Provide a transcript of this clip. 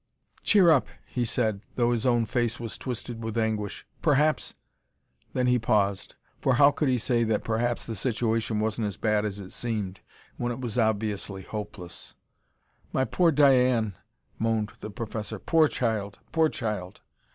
"Cheer up!" he said, though his own face was twisted with anguish. "Perhaps " Then he paused for how could he say that perhaps the situation wasn't as bad as it seemed, when it was obviously hopeless? "My poor Diane!" moaned the professor. "Poor child. Poor child!"